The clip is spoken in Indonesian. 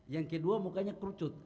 yang kedua mukanya kerucut